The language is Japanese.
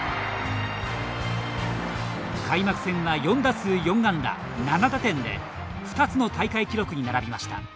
開幕戦は４打数４安打７打点で２つの大会記録に並びました。